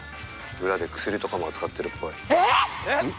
裏で薬とかも扱ってるっぽい。